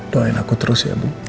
doain aku terus ya bu